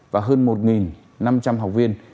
và hơn một năm trăm linh học viên